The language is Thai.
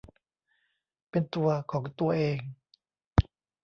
เป็นตัวของตัวเอง